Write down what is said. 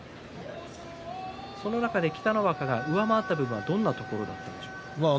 その中で北の若が上回っているのはどんなところでしょうか。